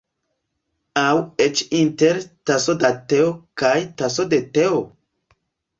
Aŭ eĉ inter ‘taso da teo’ kaj ‘taso de teo’?